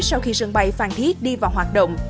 sau khi sân bay phan thiết đi vào hoạt động